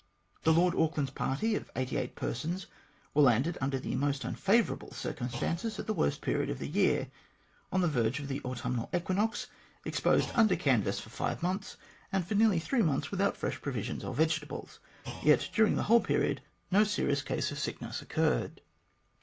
The Lord Auckland's party of eighty eight persons were landed under most unfavourable circum stances, at the worst period of the year, on the verge of the autumnal equinox, exposed under canvas for five months, and for nearly three months without fresh provisions or vegetables; yet during the whole period no serious case of sickness occurred.